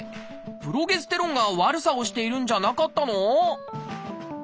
プロゲステロンが悪さをしているんじゃなかったの？